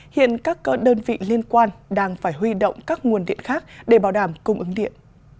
hiện các đơn vị liên quan đang phải huy động các nguồn điện khác để bảo đảm cung ứng điện